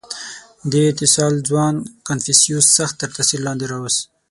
• دې اتصال ځوان کنفوسیوس سخت تر تأثیر لاندې راوست.